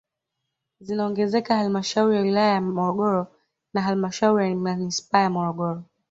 Zinaongezeka halmashauri ya wilaya ya Morogoro na halmashauri ya manispaa ya Morogoro